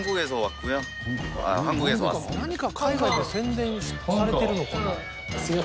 何か海外で宣伝されてるのかな？